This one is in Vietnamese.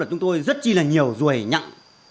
chúng tôi rất chi là nhiều rùi nhặn